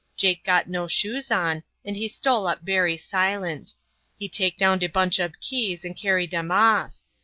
Jake got no shoes on, and he stole up bery silent. He take down de bunch ob keys and carry dem off.